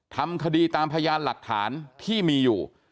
ทำคดีตามพยานหลักฐานที่มีอยู่